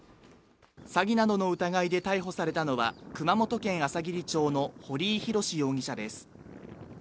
詐欺などの疑いで逮捕されたのは熊本県あさぎり町の堀井弘志容疑者です